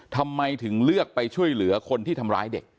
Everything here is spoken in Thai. ทำไมถึงเลือกไปช่วยเหลือคนที่ทำร้ายเด็ก